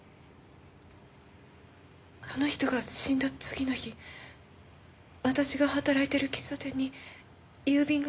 あの人が死んだ次の日私が働いている喫茶店に郵便が送られてきたんです。